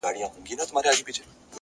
هوښیار انسان د تجربې ارزښت ساتي,